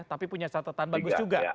tapi punya catatan bagus juga